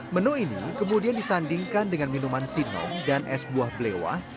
menu ini kemudian disandingkan dengan minuman sinong dan es buah blewah